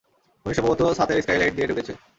খুনী সম্ভবত ছাতের স্কাইলাইট দিয়ে ঢুকেছে।